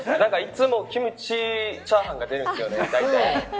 いつもキムチチャーハンが出るんです。